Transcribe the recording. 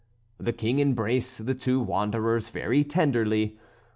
The King embraced the two wanderers very tenderly.